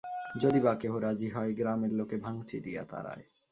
যদি বা কেহ রাজি হয়, গ্রামের লোকে ভাংচি দিয়া তাড়ায়।